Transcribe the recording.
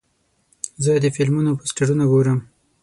زه د فلمونو پوسټرونه ګورم.